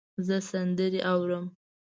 زه سندرې اورم